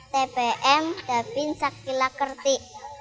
tpm dabin saktila kerti